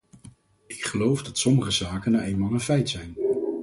Ik geloof dat sommige zaken nou eenmaal een feit zijn.